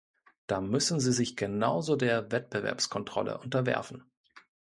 Da müssen sie sich genauso der Wettbewerbskontrolle unterwerfen!